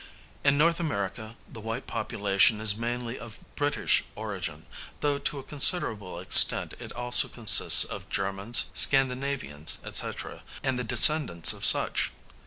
In North America the white population is mainly of British origin, though to a considerable extent it also consists of Germans, Scandinavians, &c., and the descendants of such.